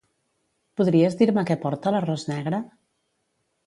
Podries dir-me què porta l'arròs negre?